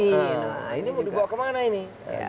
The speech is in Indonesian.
nah ini mau dibawa kemana ini